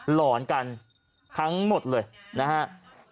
หล่อนกันทั้งหมดเลยจริง